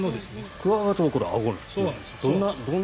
クワガタはあごなんですよね。